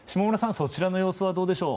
そちらの様子はどうでしょう。